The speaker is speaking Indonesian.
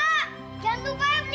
ini yang harus diberikan mak